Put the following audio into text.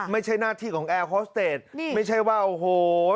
ไม่ใช่หน้าที่ของแอร์ฮอสเตจไม่ใช่ว่าโอ้โห